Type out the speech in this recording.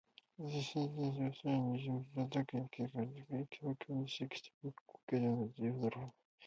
それが事実であるなら、オーストラリアやニュージーランドを平等参政権の成果の理想郷として指摘するのは、滑稽であると言わざるを得ない。